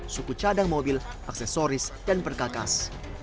suku cadang mobil aksesoris dan perkakas